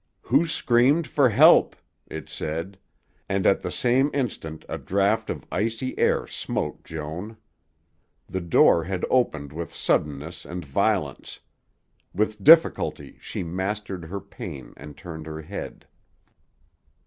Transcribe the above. "Who screamed for help?" it said, and at the same instant a draught of icy air smote Joan. The door had opened with suddenness and violence. With difficulty she mastered her pain and turned her head.